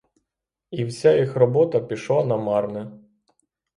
І вся їх робота пішла намарне.